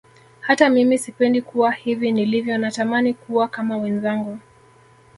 Hata mimi sipendi kuwa hivi nilivyo natamani kuwa kama wenzangu